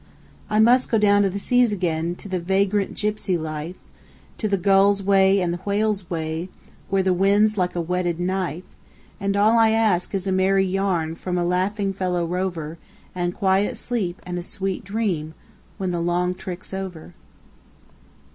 I must go down to the seas again, to the vagrant gypsy life, To the gull's way and the whale's way, where the wind's like a whetted knife; And all I ask is a merry yarn from a laughing fellow rover, And quiet sleep and a sweet dream when the long trick's over.